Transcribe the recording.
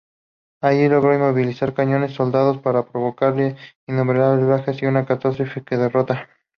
Allí logra inmovilizar cañones y soldados, para provocarle innumerables bajas y una catastrófica derrota.